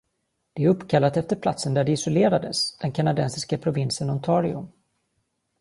Det är uppkallat efter platsen där det isolerades, den kanadensiska provinsen Ontario.